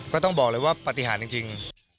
ก็ต้องบอกเลยว่าปฏิหารจริง